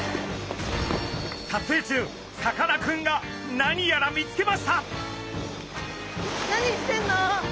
撮影中さかなクンがなにやら見つけました！